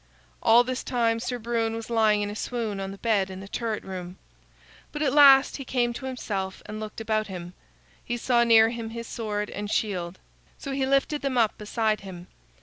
All this time Sir Brune was lying in a swoon on the bed in the turret room. But at last he came to himself and looked about him. He saw near him his sword and shield; so he lifted them up beside him.